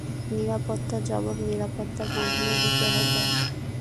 নিরাপত্তার জবাব নিরাপত্তার মাধ্যমেই দিতে হবে।